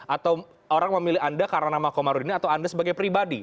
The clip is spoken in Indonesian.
atau orang memilih anda karena nama komarudin atau anda sebagai pribadi